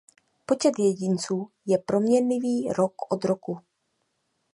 Počet jedinců je proměnlivý rok od roku.